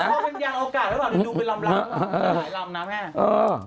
ออกเป็นยางโอกาสแล้วก็ดูไปลำลำนะแม่